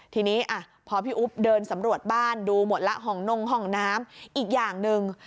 ทีนี้พอพี่อุ๊บเดินสำรวจบ้านดูหมดแล้วห้องนงห้องน้ำอีกอย่างหนึ่ง